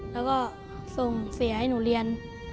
แล้วก็ส่งเสียให้หนูเรียน